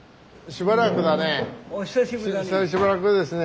しばらくですね。